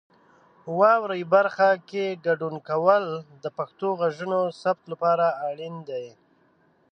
واورئ برخه کې ګډون کول د پښتو غږونو د ثبت لپاره اړین دي.